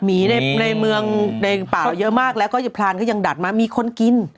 หมีในเมืองในเปล่าเยอะมากแล้วก็พรานก็ยังดัดมามีคนกิน